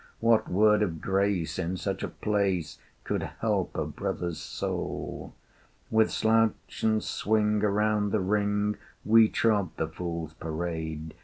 What word of grace in such a place Could help a brother's soul? With slouch and swing around the ring We trod the Fool's Parade!